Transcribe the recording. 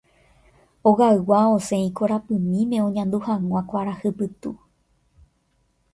Ogaygua osẽ ikorapymíme oñandu hag̃ua kuarahy pytu